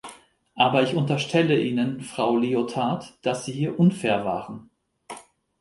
Aber ich unterstelle Ihnen, Frau Liotard, dass Sie hier unfair waren.